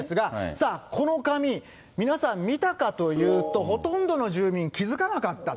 さあ、この紙、皆さん、見たかというと、ほとんどの住民気付かなかったと。